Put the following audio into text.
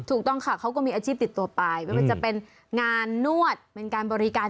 ถูกต้องค่ะเขาก็มีอาชีพติดตัวไปไม่ว่าจะเป็นงานนวดเป็นการบริการ